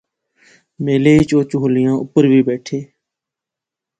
میلے اچ اوہ چُہولیاں اوپر وی بیٹھے